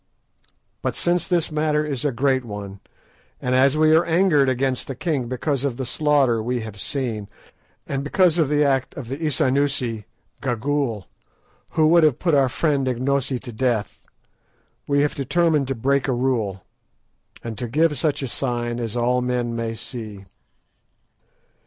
But since this matter is a great one, and as we are angered against the king because of the slaughter we have seen, and because of the act of the Isanusi Gagool, who would have put our friend Ignosi to death, we have determined to break a rule, and to give such a sign as all men may see.